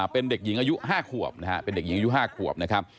เป็นเด็กหญิงอายุ๕ขวบนะฮะเป็นเด็กหญิงอายุ๕ขวบนะครับ